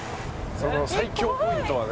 「その最恐ポイントはね」